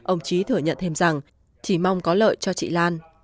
ông trí thừa nhận thêm rằng chỉ mong có lợi cho chị lan